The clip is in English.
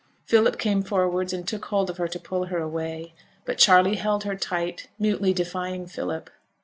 Philip came forwards and took hold of her to pull her away; but Charley held her tight, mutely defying Philip.